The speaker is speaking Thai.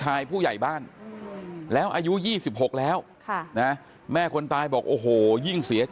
อายุ๑๐ปีนะฮะเขาบอกว่าเขาก็เห็นถูกยิงนะครับ